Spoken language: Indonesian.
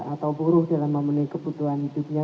atau buruh dalam memenuhi kebutuhan hidupnya